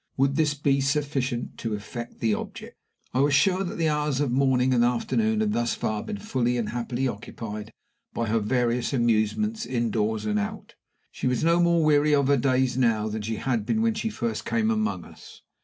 Would this be sufficient to effect the object? I was sure that the hours of the morning and the afternoon had, thus far, been fully and happily occupied by her various amusements indoors and out. She was no more weary of her days now than she had been when she first came among us.